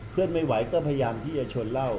เพื่อนไม่ไหวก็พยายามที่จะชนเหล้า